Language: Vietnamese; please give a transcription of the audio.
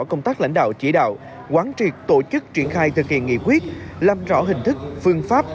công tác lãnh đạo chỉ đạo quán triệt tổ chức triển khai thực hiện nghị quyết làm rõ hình thức phương pháp